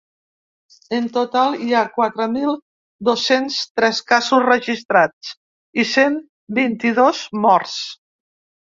En total, hi ha quatre mil dos-cents tres casos registrats i cent vint-i-dos morts.